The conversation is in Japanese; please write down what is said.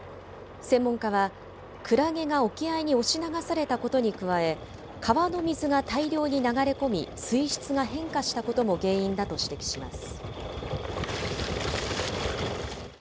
専門家は、クラゲが沖合に押し流されたことに加え、川の水が大量に流れ込み、水質が変化したことも原因だと指摘します。